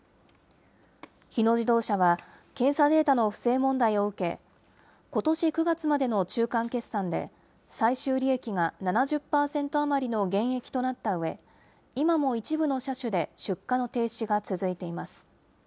日野自動車は、検査データの不正問題を受け、ことし９月までの中間決算で、最終利益が７０％余りの減益となったうえ、今も一部の車種で出荷の停止が続いています。